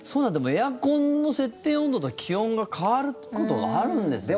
エアコンの設定温度と気温変わることがあるんですね。